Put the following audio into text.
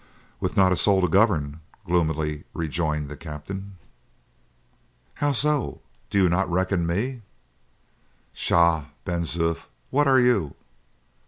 "With not a soul to govern," gloomily rejoined the captain. "How so? Do you not reckon me?" "Pshaw! Ben Zoof, what are you?"